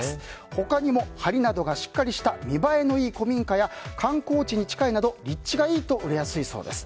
他にも梁などがしっかりした見栄えのいい古民家や観光地に近いなど立地がいいと売れやすいそうです。